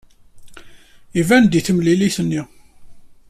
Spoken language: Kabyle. Iban-d deg temlilit-nni?